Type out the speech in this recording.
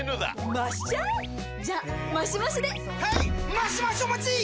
マシマシお待ちっ！！